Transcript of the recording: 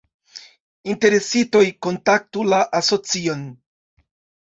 Interesitoj kontaktu la Asocion.